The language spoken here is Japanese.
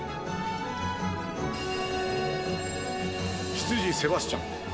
執事セバスチャン。